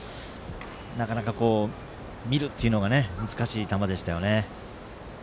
なかなか見るというのが難しい球でしたよね。